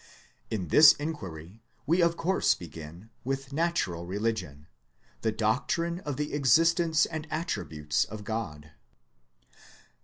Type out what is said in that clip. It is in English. In this inquiry we of course begin with Natural Eeligion, the doctrine of the existence and attributes of God.